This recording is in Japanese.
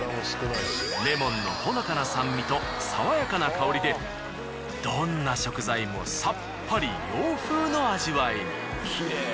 レモンのほのかな酸味と爽やかな香りでどんな食材もさっぱり洋風の味わいに。